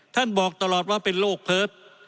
ท่านบอกตลอดว่าเป็นโรคเพิร์ต